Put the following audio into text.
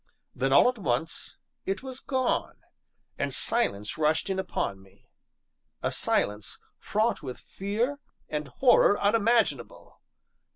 Then all at once it was gone, and silence rushed in upon me a silence fraught with fear and horror unimaginable.